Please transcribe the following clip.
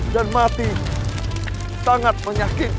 dan mati sangat menyakitkan